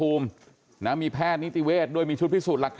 เดินมาเลยพ่อขออนุญาต